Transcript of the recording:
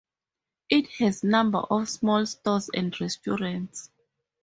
It has a number of small stores and restaurants.